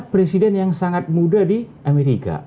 presiden yang sangat muda di amerika